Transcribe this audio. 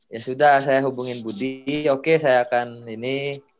ya sudah saya hubungin budi oke saya akan ini